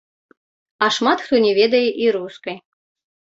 А шмат хто не ведае і рускай.